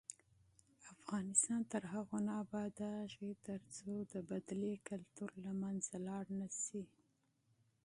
افغانستان تر هغو نه ابادیږي، ترڅو د انتقام کلتور له منځه لاړ نشي.